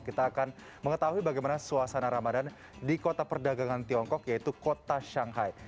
kita akan mengetahui bagaimana suasana ramadan di kota perdagangan tiongkok yaitu kota shanghai